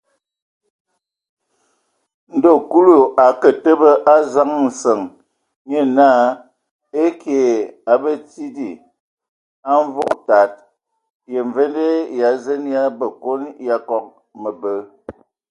Ndo Kulu a akǝ təbǝ a zaŋ nsəŋ, nye naa: Ekye A Batsidi, a Mvog tad, yə mvende Ya zen ya a Bekon e no mǝkya məbɛ?